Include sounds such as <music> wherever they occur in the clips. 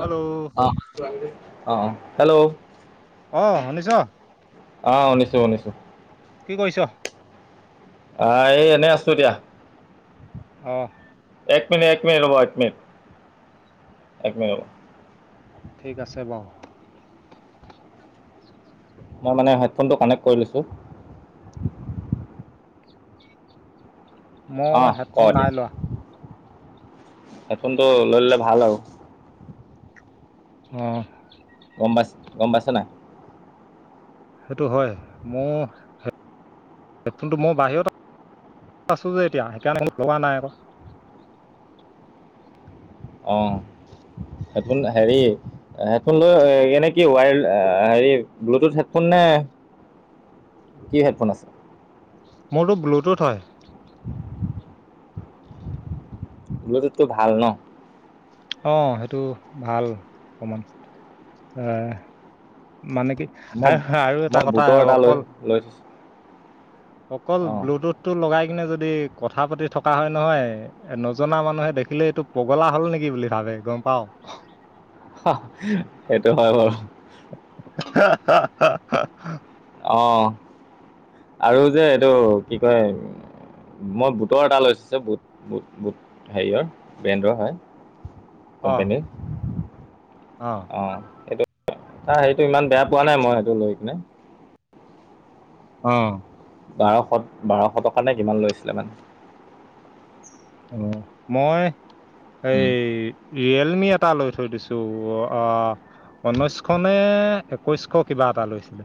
Hello অহ, অহ hello. অ, শুনিছ? অহ, শুনিছো, শুনিছো। কি কৈছ? আহ, এই এনেই আছো দিয়া। অহ। এক মিনিট এক মিনিট হব এক মিনিট এক মিনিট হ'ব। ঠিক আছে বাওঁ। মই মানে হেডফোনটো কানেক্ট কৰি লৈছো। মোৰ হেডফোন নাই লোৱা। সডফোনটো লৈ ললে ভাল আৰু। আহ। গম পাইছ গম পাইছ নাই? সেইটো হয়। মোৰ হেডফোনটো মই বাহিৰত আছো যে এতিয়া, সেইকাৰণে লগা নাই আকৌ। অ, হেডফোন হেৰি হেডফোন লৈ এনে কি ৱায় হেৰি ব্লুটুথ হেডফোন নে? কি হেডফোন আছে? মোৰ তো ব্লুটুথ হয়। ব্লুটুথ তো ভাল ন? অ, সেইটো ভাল অকমান। এ, মানে কি মই আৰু এটা মই কথা বুটৰ এটা লৈ অকল লৈ থৈছোঁ অকল অ', ব্লুটুথ টো লগাই কিনে যদি কথা পাতি থকা হয় নহয় এ নজনা মানুহে দেখিলে এইটো পগলা হল নেকি বুলি ভাবে। গম পাও। সেইটো হয় বাৰু। <inaudible> অঁ, আৰু যে এইটো কি কয়? মই বুটৰ এটা লৈছো বুট বু বুট হেৰিৰ ব্ৰেণ্ডৰ হয়। অ কোম্পানী। অ, সেইটো সেইটো ইমান বেয়া পোৱা নাই মই সেইটো লৈ কিনে। অ। বাৰশ বাৰশ টকা নে কিমান লৈছিলে মানে। অ, মই এই উম, ৰিয়েলমি এটা লৈ থৈ দিছো। ত' আহ উনৈশ শ নে একৈশ শ কিবা এটা লৈছিলে।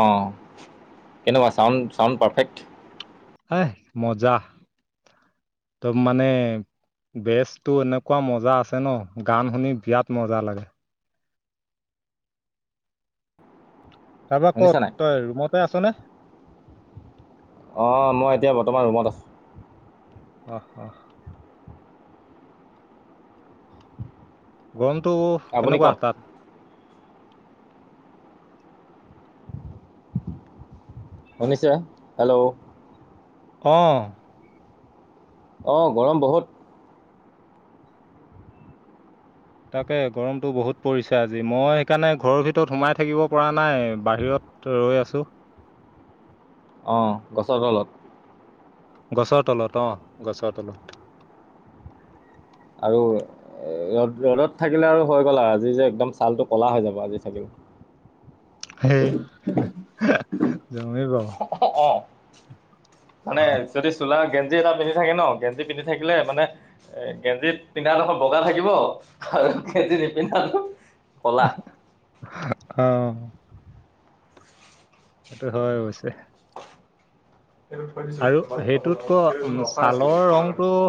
অঁ কেনেকুৱা চাউণ্ড চাউণ্ড পাৰফেক্ট? এ, মজা। তম মানে, বেছটো এনেকুৱা মজা আছে ন, গান শুনি বিৰাট মজা লাগে। তাপা শুনিছে কত, নাই তই ৰুমতে আছ নে? অঁ, মই এতিয়া বৰ্তমান ৰুমত আছোঁ। অহ, অহ। গৰমটো আপুনি কেনেকোৱা ক'ত তাত <unintelligible> শুনিছে হেল্ল' অ অঁ গৰম বহুত তাকে গৰমটো বহুত পৰিছে আজি মই সেইকাৰণে ঘৰৰ ভিতৰত সোমাই থাকিব পৰা নাই বাহিৰত <unintelligible> ত ৰৈ আছো অঁ গছৰ তলত গছৰ তলত অ গছৰ তলত আৰু এ ৰ'দ ৰ'দত থাকিলে আৰু হৈ গ'ল আজি যে একদম ছালটো ক'লা হৈ যাব আজি থাকিলে <unintelligible> সেই জমেই বাৰু অ <inaudible> মানে যদি চোলা গেঞ্জি এটা পিন্ধি থাকে ন গেঞ্জি পিন্ধি থাকিলে মানে এ গেঞ্জি পিন্ধা <unintelligible> বগা থাকিব আৰু খেতি নিপিন্ধাটো ক'লা অ সেইটো হয় অৱশ্যে এটো থৈ দিছো আৰু ইমান বোৰ খাব সেইটোতকৈ নোৱাৰো উম, এইবোৰ অফাৰ ছালৰ আছিলে ৰংটো দিছ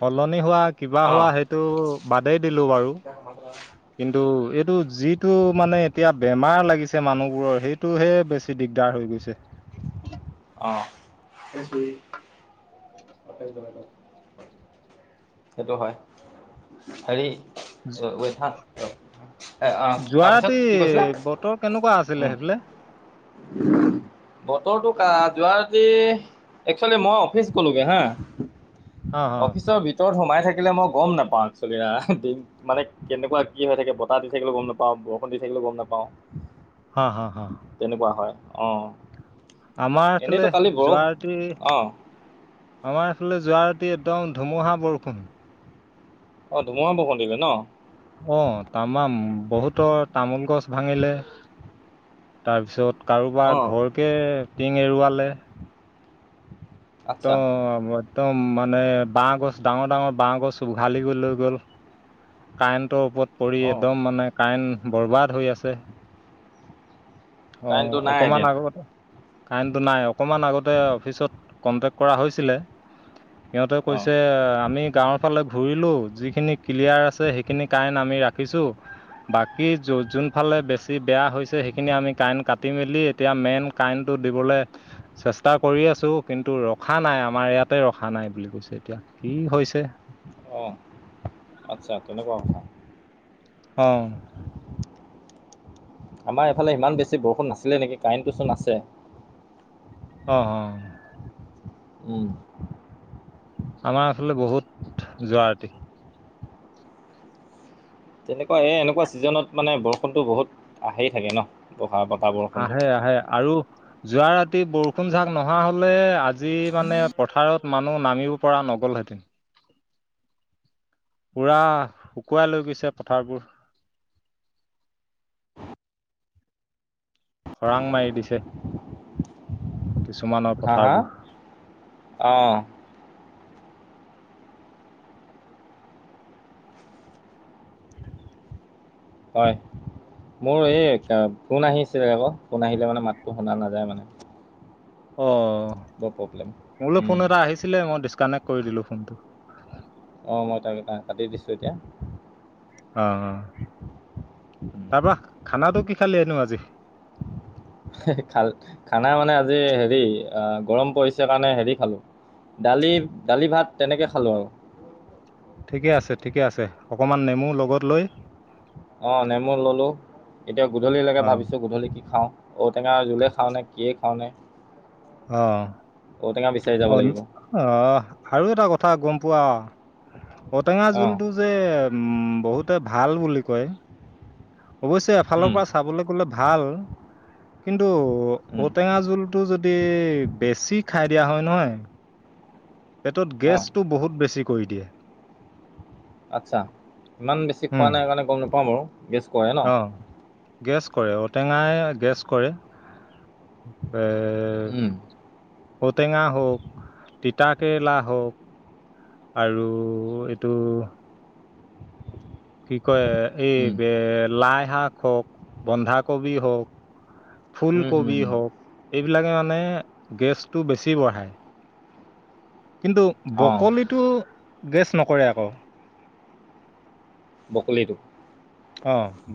সলনি হোৱা কিবা হোৱা সেইটো বাদেই দিলো বাৰু কিন্তু এইটো যিটো মানে এতিয়া বেমাৰ লাগিছে মানুহবোৰৰ সেইটোহে বেছি দিগদাৰ হৈ গৈছে <inaudible> সেইটো হয় হেৰি যো- অ ঠান অ <unintelligible> এ অহ যোৱা তাৰপিছত ৰাতি কি কৈছিলা বতৰ কেনেকুৱা আছিলে উম সেইফালে? বতৰটো যোৱা ৰাটি একচুৱেলি মই অফিচ গলোগে হা হা হা অফিচৰ ভিতৰত সোমাই থাকে থাকিলে মই গম নাপাওঁ একচলি মানে কেনেকুৱা কি হৈ থাকে বতাহ দি থাকিলো গম নাপাওঁ বৰষুণ দি থাকিলো <unintelligible> গম নাপাওঁ হা হা হা তেনেকুৱা হয় অঁ আমাৰ এইফালে এনেইতো কালি বৰষুণ যোৱাৰাতি অঁ আমাৰ এইফালে যোৱাৰাতি <unintelligible> ৰাতি একদম ধুমুহা বৰষুণ অ ধূমুহা বৰষুণ দিছে ন <unintelligible> অ তামাম বহুতৰ তামোল গছ ভাঙিলে তাৰপিছত কাৰোবাৰ ঘৰকে টিং এৰুৱালে ত আচ্ছা মই <unintelligible> একদম মানে বাহ গছ ডাঙৰ ডাঙৰ বাহ গছ উঘালি গৈ লৈ গ'ল <unintelligible> কাৰেণ্টৰ ওপৰত পৰি অ একদম মানে কাৰেণ্ট বৰবাদ হৈ আছে অ কাৰেণ্টটো নাই অকমান এতিয়া আগতে কাৰেণ্টটো নাই অকমান আগতে অফিচত কণ্টেক কৰা হৈছিলে সিহঁতে অ কৈছে আমি গাঁৱৰ ফালে ঘূৰি যিখিনি ক্লিয়াৰ আছে সেইখিনি কাৰেণ্ আমি ৰাখিছো। বাকী যোন ফালে বেছি বেয়া হৈছে সেইখিনি আমি কাৰেণ্ট কাটি মেলি এতিয়া মেইন কাৰেণ্টটো দিবলে চেষ্টা কৰি আছো, কিন্তু ৰখা নাই। আমাৰ ইয়াতে ৰখা নাই বুলি কৈছে। এতিয়া কি হৈছে? অ আচ্ছা তেনেকুৱা কথা? অ। আমাৰ এইফালে ইমান বেছি বৰষুণ নাছিলে নেকি? কাৰেণ্টটো চোন আছে। অ হ। উম। আমাৰ আচলতে বহুত যোৱা ৰাতি। তেনেকুৱা এ এনেকুৱা ছিজনত মানে বৰষুতো বহুত আহেই থাকে ন? বতাহ বৰষুণটো আহে আহে আৰু যোৱা ৰাতি বৰষুণ জাক নহা হলে আজ যি মানে পথাৰত মানুহ নামিব পৰা নগলহেঁতেন পুৰা শুকুৱাই লৈ গৈছে পথাৰবোৰ <inaudible> খৰাং মাৰি দিছে কিছুমানৰ হা হা পথাৰবোৰ অ হয়। মোৰ এই ফোন আহিছিলে আক, ফোন আহিলে মানে মাতটো শুনা নাযায় মানে। অ বৰ প্ৰব্লেম মোলে উম ফোন এটা আহিছিলে মই ডিচকানেক্ট কৰি দিলো ফোনটো। অ মই তাক কাটি দিছোঁ এতিয়া। অ অ তাৰ পৰা খানাটো কি? খালি নো আজি? খ খানা মানে আজি হেৰি গৰম পৰিছে কাৰণে হেৰি খালো দালি দালি ভাত তেনেকে খালোঁ আৰু। ঠিকে আছে ঠিকে আছে অকনমান নেমু লগত লৈ অ নেমু ললো, এতিয়া গধূলি লাগে অ ভাবিছো গধূলি কি খাওঁ? ঔটেঙাৰ জোলে খাওঁনে কিয়ে খাওঁ নে? অ ঔটেঙা বিচাৰি যাব অ লাগিব অ আৰু এটা কথা গম পোৱা। ঔটেঙা অঁ জোলটো যে উম বহুতে ভাল বুলি কয়। অৱশ্যে এফালৰ উম, পৰা চাবলৈ গ'লে ভাল কিন্তু কিন্তু উম, ঔটেঙা জোলটো যদি বেছি খাই দিয়া হয় নহয়। পেটত অঁ গেছটো বহুত বেছি কৰি দিয়ে। আচ্ছা ইমান বেছি খোৱা উম নাই কাৰণে গম নাপাাওঁ বাৰু গেছ কৰে ন অ গেছ কৰে ঔটেঙাই গেছ কৰে। পে উম, ঔ টেঙা হওঁক তিতা কেৰেলা হওঁক আৰু এইটো কি কয় এই উম, লাই শাক বন্ধাকবি হওঁক উম, হুম, ফুলকবি হুম। হওঁক এই এইবিলাকে মানে গেছটো বেছি বঢ়াই কিন্তু অঁ বকলিটো গেছ নকৰে আকৌ বকলিটো অ ব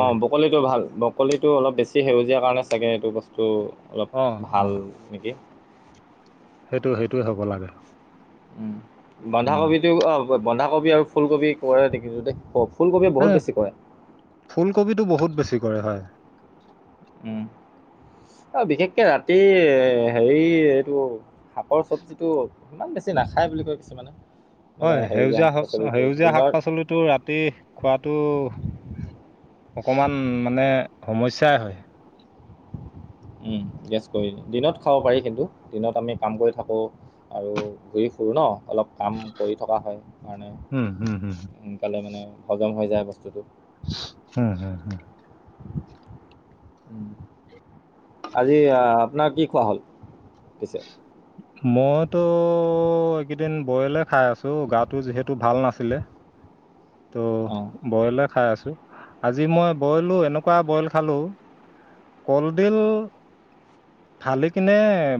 অ ব্ৰকলিটো ভাল ব্ৰকলিটো অলপ বেছি সেউজীয়া কাৰণে চাগে এইটো বস্তু অলপ অ অ ভাল নেকি? সেইটো সেইটোৱে হ'ব লাগে। উম উম বন্ধাকবি টো অ বন্ধাকবি আৰু ফুলকবি কৰে দেখিছোঁ দে হ ফুলকবি টো বহুত বেছি কৰে হয়। উম অ বিশেষকে ৰাতি হেৰি এইটো। শাকৰ চবজি টো ইমান বেছি নাখায় বুলি কয় কিছুমানে। মানে হয় সেউজীয়া শাক পাচলিটো সেউজীয়া শাক দিনত পাচলিটো ৰাতি খোৱাটো অকণমান মানে সমস্যাই হয়। উম গেছ কৰি দিনত খাব পাৰি কিন্তু দিনত আমি কাম কৰি থাকো। আৰু ঘূৰি ফুৰোঁ ন। অলপ কাম কৰি থকা হয় সেইকাৰণে উম হুম হুম সোনকালে মানে হজম হৈ যায় বস্তুটো হম হম হম। উম। আজি আ আপোনাৰ কি খোৱা হ'ল পিছে উ মইতো এইকেইদিন বইলে খাই আছো গাটো যিহেতু ভাল নাছিলে। ত অ', বইলে খাই আছো। আজি মই বইলো এনেকুৱা বইল খালো। কলডিল ঢালি কিনে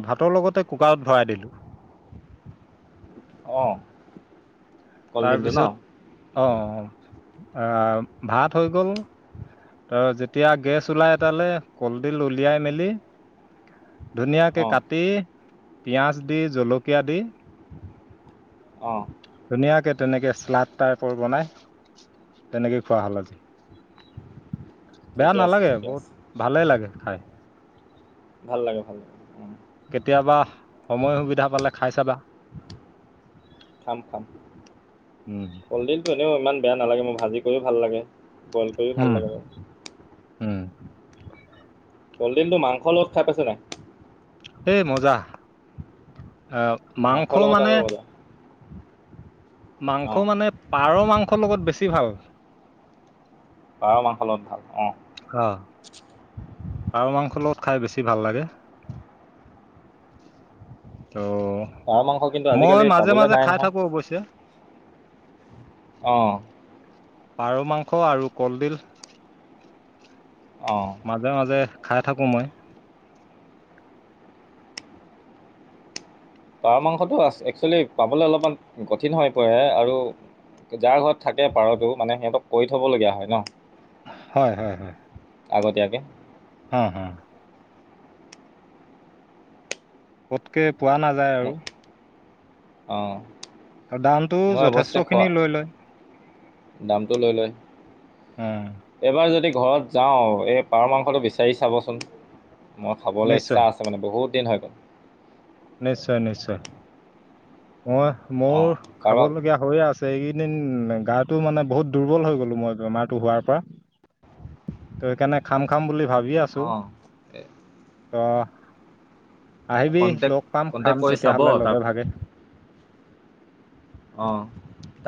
ভাতৰ লগতে কুকাৰত ভৰাই দিলো। অঁ তাৰপিছত অ ভাত হৈ গ'ল। তাৰ যেতিয়া গেছ ওলাই এতালে কলডিল উলিয়াই মেলি ধুনীয়াকে অ'। কাটি পিঁয়াজ দি জলকীয়া দি অ ধুনীয়াকে তেনেকে শ্লাদ টাইপৰ বনাই তেনেকেই খোৱা হ'ল আজি বেয়া ঠিকে আছে নালাগে ঠিকে আছে বহুত ভালে লাগে খাই। ভাল লাগে ভাল লাগে উ কেতিয়াবা সময় সুবিধা পালে খাই চাবা। খাম খাম উম কলদিলটো এনেও ইমান বেয়া নালাগে মোৰ ভাজি কৰিও ভাল লাগে। বইল কৰিও উম ভাল লাগে বাৰু উম কলডিলটো মাংসৰ লগত খাই পাইছে নাই এ মজা আহ মাংস মাংসৰ লগত মানে আৰু মজা অঁ মাংস মানে পাৰৰ মাংস লগত বেছি ভাল পাৰ মাংসৰ লগত ভাল অঁ অ পাৰ মাংস লগত খাই বেছি ভাল লাগে ত পাৰ মাংস কিন্তু আজিকালি মই মাজে পাবলৈ মাজে নাই খাই নহয় থাকো অৱশ্যে অহ পাৰ মাংস আৰু কলডিল অঁ মাজে মাজে খাই থাকো মই পাৰ মাংসটো একচুৱেলি পাবলৈ অলপমান কঠিন হৈ পৰে আৰু যাৰ ঘৰত থাকে পাৰতো মানে সিহঁতক কৰি থব লগীয়া হয় ন হয় হয় হয় আগতীয়াকৈ হ হ পতকে পোৱা নাযায় আৰু অ আৰু দামটো মই অৱশ্যে খোৱা যথেষ্টখিনি লৈ লয় দামটো লৈ লয় অ এইবাৰ যদি ঘৰত যাওঁ এই পাৰ মাংসটো বিচাৰি চাবচোন মই খাবলৈ নিশ্চয় ইচ্ছা আছে মানে বহুত দিন হৈ গ'ল নিশ্চয় নিশ্চয় মই অঁ মোৰ কাৰোবাক খাবলগীয়া হৈ আছে এইকেইদিন গাটো মানে বহুত দুৰ্বল হৈ গলো মই বেমাৰটো হোৱাৰ পৰা। ত সেইকাৰণে খাম খাম বুলি ভাবি আছো অ ত আহিবি কণ্টেক্ট লগ পাম খাম কণ্টেক্ট কৰি চাব তেতিয়াহ'লে তাক লগে ভাগে অ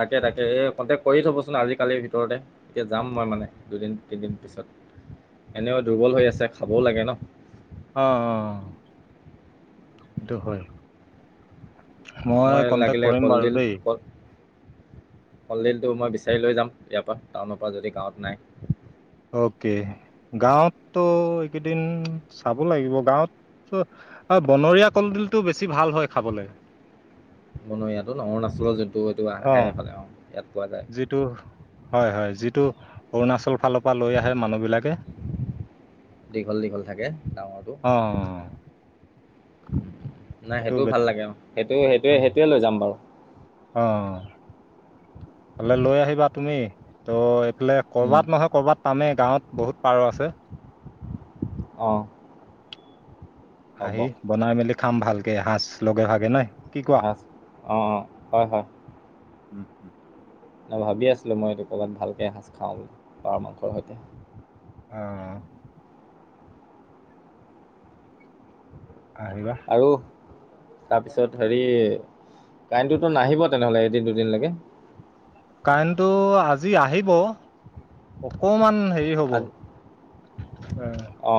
তাকে তাকে এই কণ্টেক্ট কৰি থবচোন আজি কালিৰ ভিতৰতে এতিয়া যাম মই মানে দুদিন তিনিদিন পিছত এনেও দুৰ্বল হৈ আছে খাবও লাগে ন অ অ সেইটো হয় মই কন্টেক্ট লাগিলে কৰিম বাৰু কলডিল দেই কত? কলডিলটো মই বিচাৰি লৈ যাম ইয়াৰ পৰা টাউনৰ পৰা যদি গাঁৱত নাই অকে গাঁৱতো এইকেইদিন চাব লাগিব গাঁৱত বনৰীয়া কলডিলটো বেছি ভাল হয় খাবলৈ বনৰিয়াটো অৰুণাচলৰ জোনটো এইটো অ আহে মানে অহ। যিটো হয় -হয় যিটো অৰুণাচলৰ ফালৰ পৰা লৈ আহে মানুহ বিলাকে। দীঘল দীঘল থাকে ডাঙৰটো অ <unintelligible> নাই সেইটো সেইটোও বে ভাল লাগে আৰু সেইটো সেইটোৱে সেইটোৱে লৈ যাম বাৰু পালে লৈ আহিবা তুমি ত' এইফালে উম, কৰবাত নহয় কৰবাত পামেই গাঁৱত বহুত পাৰ আছে। অহ আহি বনাই মেলি খাম ভালকে এসাজ লগে ভাগে নাই কি কোৱা অঁ অঁ হয় হয় উম উম নহ ভাবি আছিলো মইটো ক'ৰবাত ভালকে এসাঁজ খাওঁ বুলি পাৰ মাংসৰ সৈতে অ আহিবা আৰু তাৰপিছত হেৰি কাৰেণ্টটোতো নাহিব তেনেহলে এদিন দুদিন লৈকে কাৰেনটো আজি আহিব অকমান দেৰি হব অ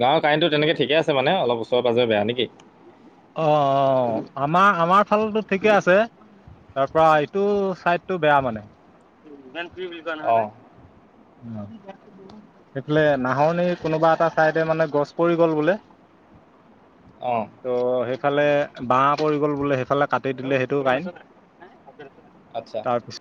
গাঁৱৰ কাৰেণ্টো তেনেকে ঠিকে আছে মানে অলপ ওচৰে পাজৰে বেয়া নেকি অ অ আমাৰ আমাৰ ফালেটো ঠিকে আছে তাৰ পৰা ইটো চাইটো বেয়া মানে অঁ সেইফালে নাহৰনি কোনোবা এটা চাইডে মানে গছ পৰি গ'ল বোলে। <inaudible> অহ ত' সেইফালে বাঁহ পৰি গ'ল বোলে সেইফালে কাটি দিলে সেইটো কাইন। আচ্ছা তাৰপিছ